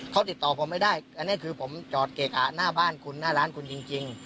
เขาติดต่อผมไม่ได้อันนี้คือผมจอดเกะหน้าบ้านคุณหน้าร้านคุณจริง